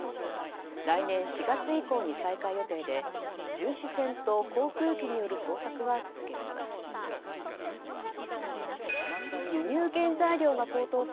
来年４月以降に再開予定で巡視船と航空機による捜索は続けられます。